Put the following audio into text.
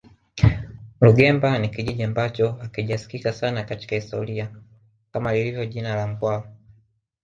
Rungemba ni kijiji ambacho hakijasikika sana katika historia kama lilivyo jina la mkwawa